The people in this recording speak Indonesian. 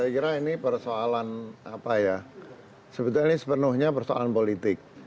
saya kira ini persoalan apa ya sebetulnya ini sepenuhnya persoalan politik